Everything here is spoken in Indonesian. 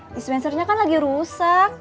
dispensernya kan lagi rusak